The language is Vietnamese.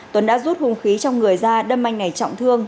tuấn đã rút hùng khí trong người ra đâm manh này trọng thương